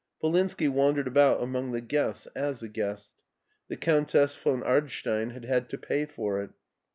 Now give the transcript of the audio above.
Polinski wandered about among the guests as a guest. The Countess von Ardstein had had to pay for it.